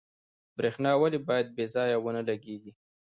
برښنا ولې باید بې ځایه ونه لګیږي؟